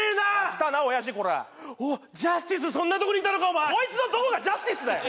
来たなオヤジこらおっジャスティスそんなとこにいたのかお前こいつのどこがジャスティスだよ！